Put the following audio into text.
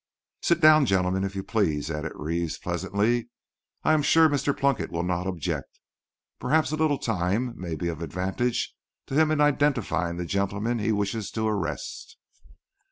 "Sit down, gentlemen, if you please," added Reeves, pleasantly. "I am sure Mr. Plunkett will not object. Perhaps a little time may be of advantage to him in identifying—the gentleman he wishes to arrest."